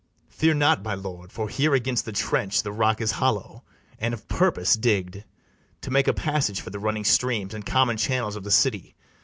Fear not, my lord; for here, against the trench, The rock is hollow, and of purpose digg'd, To make a passage for the running streams And common channels of the city.